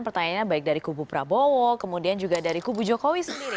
pertanyaannya baik dari kubu prabowo kemudian juga dari kubu jokowi sendiri